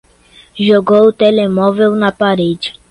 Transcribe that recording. Jogou o telemóvel na parede